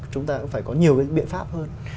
chúng ta cũng phải có nhiều cái biện pháp hơn